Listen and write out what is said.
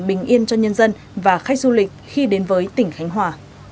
bình yên cho nhân dân và khách du lịch khi đến với tỉnh khánh hòa